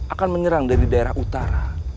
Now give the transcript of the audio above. akan menyerang dari daerah utara